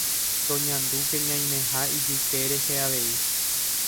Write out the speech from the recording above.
Toñandúke ñaimeha ijyke rehe avei